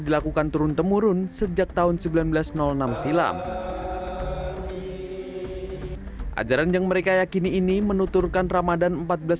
dilakukan turun temurun sejak tahun seribu sembilan ratus enam silam ajaran yang mereka yakini ini menuturkan ramadhan